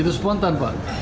itu spontan pak